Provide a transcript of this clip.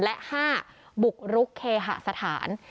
และ๕บุกรุกเคหสถาน